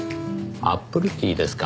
アップルティーですか。